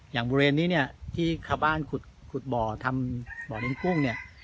อย่างบุเรนนี่เนี่ยที่ข้าวบ้านขุดบ่อทำบ่อเล็งกุ้งเนี่ย